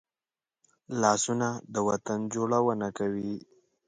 لاسونه د وطن جوړونه کوي